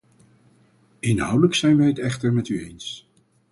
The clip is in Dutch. Inhoudelijk zijn wij het echter met u eens.